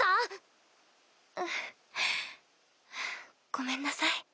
ごめんなさい。